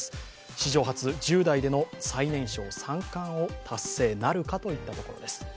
史上初、１０代での最年少三冠を達成なるかといったところです。